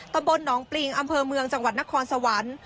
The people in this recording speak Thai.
ตำบลหนองปริงอำเภอเมืองจังหวัดนครสวรรค์